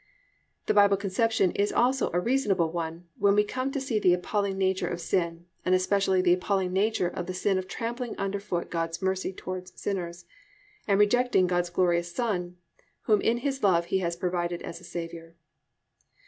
This Bible conception is also a reasonable one when we come to see the appalling nature of sin, and especially the appalling nature of the sin of trampling under foot God's mercy toward sinners, and rejecting God's glorious Son, Whom in His love He has provided as a Saviour.